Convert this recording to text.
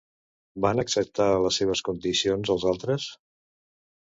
Van acceptar les seves condicions els altres?